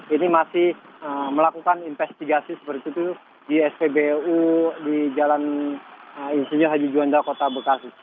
ini masih melakukan investigasi seperti itu di spbu di jalan insinyur haji juanda kota bekasi